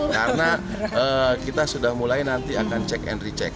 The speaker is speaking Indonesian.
karena kita sudah mulai nanti akan cek and recheck